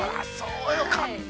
◆よかった。